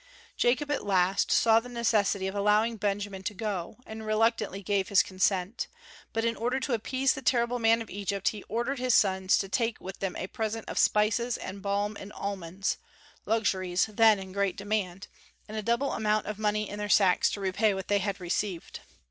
Jacob at last saw the necessity of allowing Benjamin to go, and reluctantly gave his consent; but in order to appease the terrible man of Egypt he ordered his sons to take with them a present of spices and balm and almonds, luxuries then in great demand, and a double amount of money in their sacks to repay what they had received.